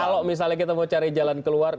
kalau misalnya kita mau cari jalan keluar